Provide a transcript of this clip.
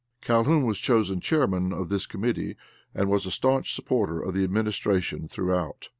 Calhoun was chosen chairman of this committee, and was a staunch supporter of the administration throughout.